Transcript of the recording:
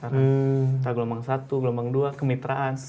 antara gelombang satu gelombang dua kemitraan